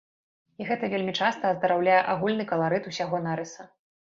І гэта вельмі часта аздараўляе агульны каларыт усяго нарыса.